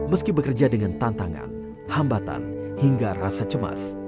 meski bekerja dengan tantangan hambatan hingga rasa cemas